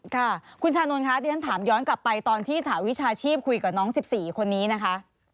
ค่ะคุณชานนท์คะที่ฉันถามย้อนกลับไปตอนที่สหวิชาชีพคุยกับน้อง๑๔คนนี้นะคะ